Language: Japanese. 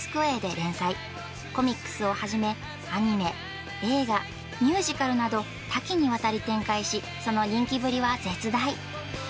コミックスを始めアニメ映画ミュージカルなど多岐にわたり展開しその人気ぶりは絶大